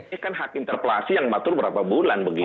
ini kan hak interpelasi yang matur berapa bulan